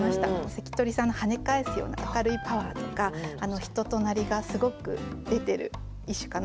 関取さんのはね返すような明るいパワーとか人となりがすごく出てる一首かなと思って読ませて頂きました。